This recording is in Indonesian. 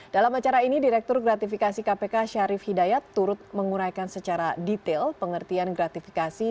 dalam acara ini direktur gratifikasi kpk syarif hidayat turut menguraikan secara detail pengertian gratifikasi